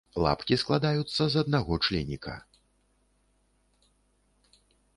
Лапкі складаюцца з аднаго членіка.